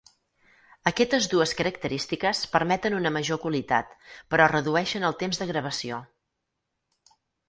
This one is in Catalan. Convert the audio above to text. Aquestes dues característiques permeten una major qualitat, però redueixen el temps de gravació.